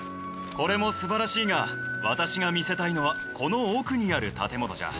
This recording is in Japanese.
これも素晴らしいが私が見せたいのはこの奥にある建物じゃ。